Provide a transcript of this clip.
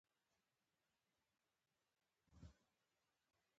یارمی مغل د زړه کینې ساتي